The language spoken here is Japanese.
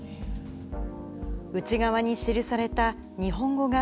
内側に記された日本語が、